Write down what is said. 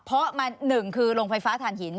เพราะมันหนึ่งคือโรงไฟฟ้าฐานหิน